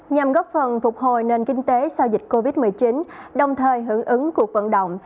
nhằm góp phần phục hồi nền kinh tế sau dịch covid một mươi chín đồng thời hưởng ứng cuộc vận động